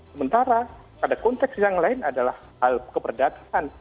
sementara pada konteks yang lain adalah hal keperdataan